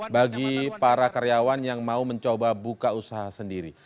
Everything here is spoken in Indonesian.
bagi para karyawan yang mau mencoba buka usaha sendiri